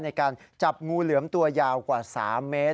ในการจับงูเหลือมตัวยาวกว่า๓เมตร